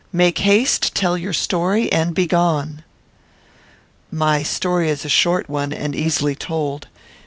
Make haste; tell your story, and begone." "My story is a short one, and easily told.